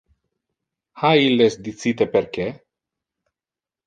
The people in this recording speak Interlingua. Ha illes dicite perque?